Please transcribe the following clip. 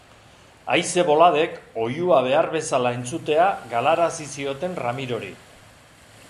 Haize boladek oihua behar bezala entzutea galarazi zioten Ramirori.